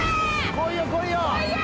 来いよ来いよ